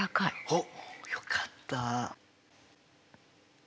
おっよかった。